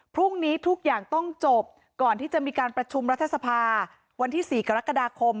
พรุ่งนี้ทุกอย่างต้องจบก่อนที่จะมีการประชุมรัฐสภาวันที่๔กรกฎาคม